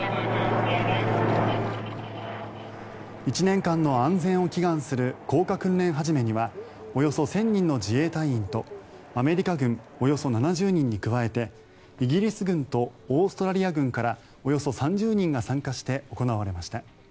１年間の安全を祈願する降下訓練始めにはおよそ１０００人の自衛隊員とアメリカ軍およそ７０人に加えてイギリス軍とオーストラリア軍からおよそ３０人が参加して行われました。